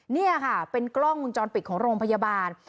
นี่ค่ะเป็นกล้องวงจรปิดของโรงพยาบาล